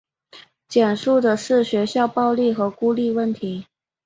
讲述的是学校暴力和孤立问题。